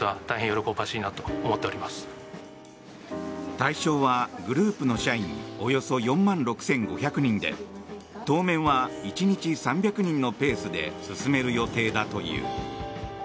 対象はグループの社員およそ４万６５００人で当面は１日３００人のペースで進める予定だという。